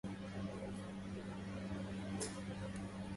سقته ابنة العمري من خمر عينها